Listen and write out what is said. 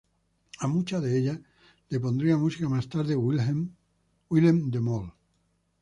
A muchas de ellas les pondría música más tarde Willem De Mol.